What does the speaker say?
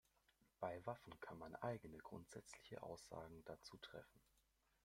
Bei Waffen kann man einige grundsätzliche Aussagen dazu treffen.